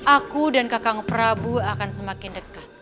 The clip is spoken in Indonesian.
aku dan kakak prabu akan semakin dekat